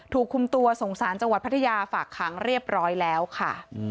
ถูกคุมตัวส่งสารจังหวัดพัทยาฝากขังเรียบร้อยแล้วค่ะ